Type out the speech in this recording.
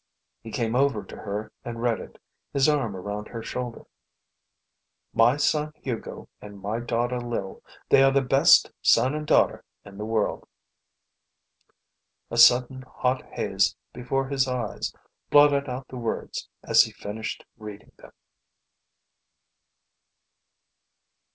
He came over to her and read it, his arm around her shoulder. "My son Hugo and my daughter Lil they are the best son and daughter in the world." A sudden hot haze before his eyes blotted out the words as he finished reading them.